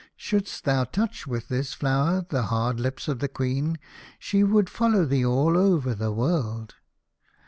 Should'st thou touch with this flower the hard lips of the Queen, she would follow thee all over the world.